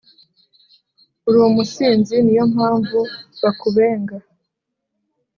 Urumusinzi niyompamvu bakubenga